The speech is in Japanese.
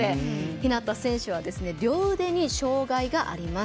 日向選手は両腕に障がいがあります。